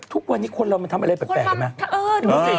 ทุกวันนี้คนเราทำอะไรแบบแปลกใช่ไหม